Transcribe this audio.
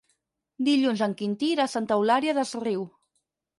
Dilluns en Quintí irà a Santa Eulària des Riu.